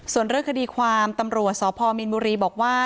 ส่วนเรื่องคดีความตำรวจสพมีนบุรีบอกว่า